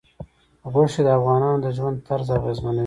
غوښې د افغانانو د ژوند طرز اغېزمنوي.